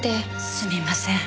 すみません。